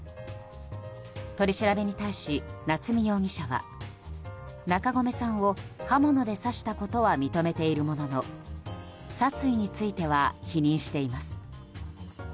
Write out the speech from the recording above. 取り調べに対し、夏見容疑者は中込さんを刃物で刺したことは認めているものの殺意については否認しています。